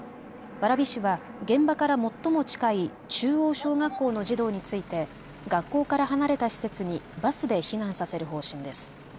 蕨市は現場から最も近い中央小学校の児童について学校から離れた施設にバスで避難させる方針です。